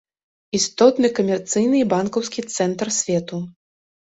Істотны камерцыйны і банкаўскі цэнтр свету.